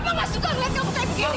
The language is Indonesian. mama suka melihat kamu seperti ini